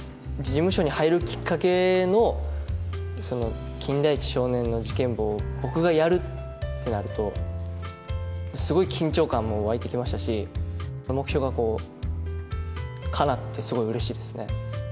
事務所に入るきっかけの金田一少年の事件簿を、僕がやるってなると、すごい緊張感も湧いてきましたし、目標がかなって、すごいうれしいですね。